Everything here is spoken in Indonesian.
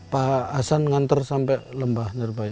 pak hasan mengantar sampai lembah nirbaya